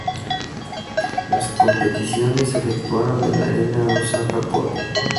Las competiciones se efectuaron en la Arena Osaka Pool.